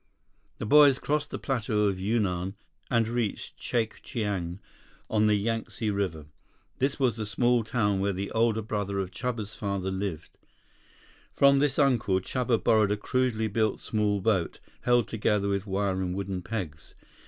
The boys crossed the Plateau of Yunnan and reached Chaochiang on the Yangtze River. This was the small town where the older brother of Chuba's father lived. From this uncle, Chuba borrowed a crudely built small boat, held together with wire and wooden pegs.